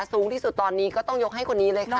สูงที่สุดตอนนี้ก็ต้องยกให้คนนี้เลยค่ะ